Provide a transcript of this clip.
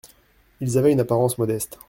Ils avaient une apparence modeste.